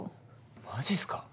マジっすか。